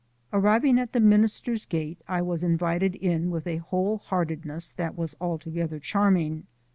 Arriving at the minister's gate, I was invited in with a whole heartedness that was altogether charming.